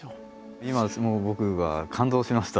今僕は感動しました。